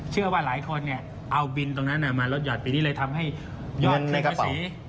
เชื่อว่าหลายคนเนี่ยเอาบินตรงนั้นมาลดหอดปีนี้เลยทำให้ยอดในภาษี